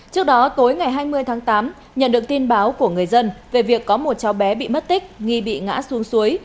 trước đó tối ngày hai mươi tháng tám nhận được tin báo của người dân về việc có một cháu bé bị mất tích nghi bị ngã xuống suối